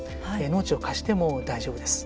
農地を貸しても大丈夫です。